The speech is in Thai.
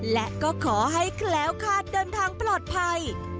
และก็ขอให้แคล้วคาดเดินทางปลอดภัย